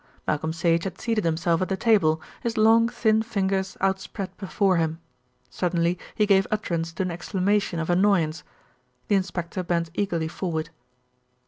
Malcolm Sage had seated himself at the table, his long thin fingers outspread before him. Suddenly he gave utterance to an exclamation of annoyance. The inspector bent eagerly forward.